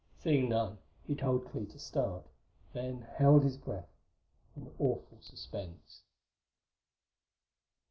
Seeing none, he told Clee to start; then held his breath in awful suspense.